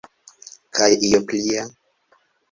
Kaj io plia.